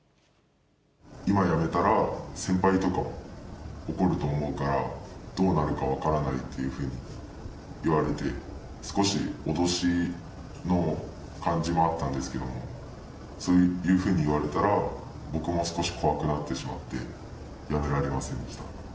今やめたら、先輩とか怒ると思うから、どうなるか分からないっていうふうにいわれて、少し脅しの感じもあったんですけども、そういうふうに言われたら、僕も少し怖くなってしまって、やめられませんでした。